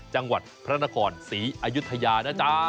จังหวัดพระนครศรีอยุธยานะจ๊ะ